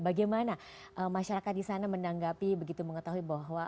bagaimana masyarakat disana menanggapi begitu mengetahui bahwa